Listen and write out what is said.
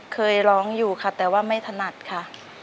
เคยร้องอยู่ค่ะแต่ว่าไม่ถนัดค่ะ